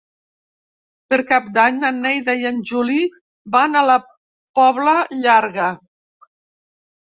Per Cap d'Any na Neida i en Juli van a la Pobla Llarga.